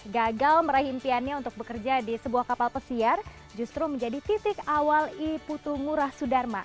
gagal meraih impiannya untuk bekerja di sebuah kapal pesiar justru menjadi titik awal i putu ngurah sudharma